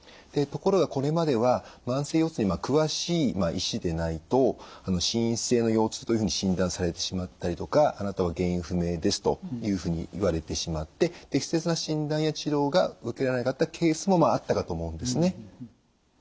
ところがこれまでは慢性腰痛に詳しい医師でないと心因性の腰痛というふうに診断されてしまったりとか「あなたは原因不明です」というふうに言われてしまって適切な診断や治療が受けられなかったケースもまああったかと思うんですね。